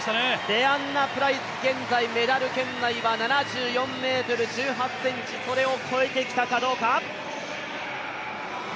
デアンナプライス、現在メダル圏内は７４ｍ１８ｃｍ、それを越えてきたかどうか。